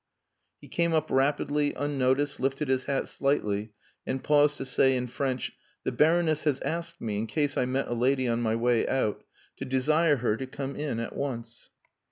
He came up rapidly, unnoticed, lifted his hat slightly, and paused to say in French: "The Baroness has asked me, in case I met a lady on my way out, to desire her to come in at once."